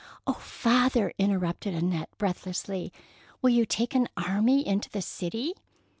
^'" Oh, father ! interrupted Annette, breathlessly, "will you take an army into the city?